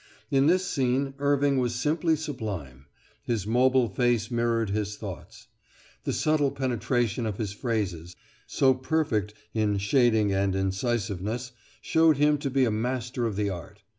In this scene Irving was simply sublime. His mobile face mirrored his thoughts. The subtle penetration of his phrases, so perfect in shading and incisiveness, showed him to be a master of art.